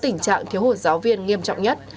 điều này là nguyên nhân của giáo viên nghiêm trọng nhất